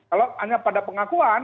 kalau hanya pada pengakuan